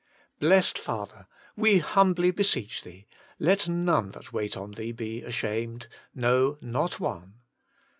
Blessed Father ! we humbly beseech Thee, Let none that wait on Thee be ashamed ; no, not one.